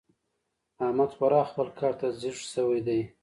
احمد خورا خپل کار ته ځيږ شوی دی.